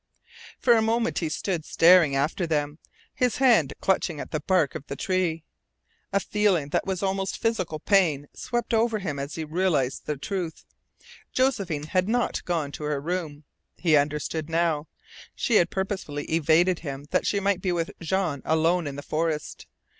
For a moment he stood staring after them, his hand clutching at the bark of the tree. A feeling that was almost physical pain swept over him as he realized the truth. Josephine had not gone to her room. He understood now. She had purposely evaded him that she might be with Jean alone in the forest.